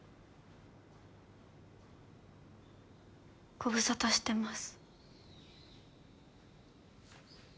ご無沙汰してます。